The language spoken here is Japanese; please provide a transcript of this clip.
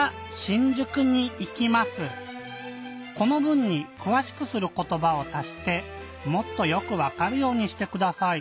この文に「くわしくすることば」を足してもっとよくわかるようにしてください。